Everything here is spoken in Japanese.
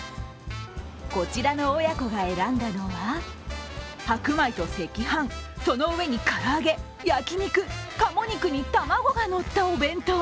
こちらの親子が選んだのは白米と赤飯、その上に唐揚げ焼き肉、鴨肉に卵がのったお弁当。